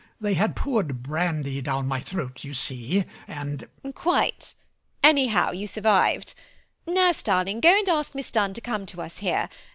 They had poured brandy down my throat, you see; and MRS HUSHABYE. Quite. Anyhow, you survived. Nurse, darling: go and ask Miss Dunn to come to us here.